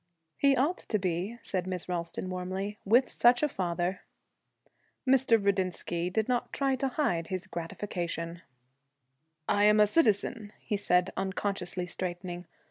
'He ought to be,' said Miss Ralston, warmly, 'with such a father.' Mr. Rudinsky did not try to hide his gratification. 'I am a citizen,' he said, unconsciously straightening.